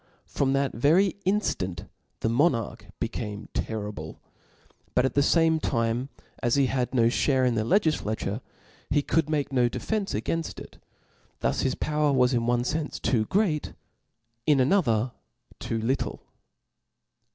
From' that very inftant the monarch became terrible. But at the fame time as he had no (hare m the legiflature, he could make no defence againft it ; thu^ his power was in one fenfe tOo great, in another too little.